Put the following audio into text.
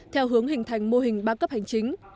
theo hướng hình thành mô hình ba cấp hành chính